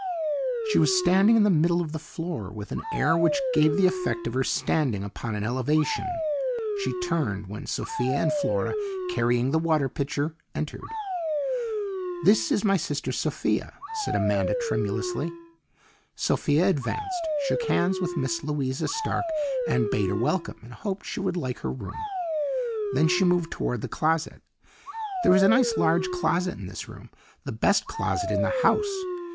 She was standing in the middle of the floor with an air which gave the effect of her standing upon an elevation. She turned when Sophia and Flora, carrying the water pitcher, entered. "This is my sister Sophia," said Amanda tremulously. Sophia advanced, shook hands with Miss Louisa Stark and bade her welcome and hoped she would like her room. Then she moved toward the closet. "There is a nice large closet in this room the best closet in the house.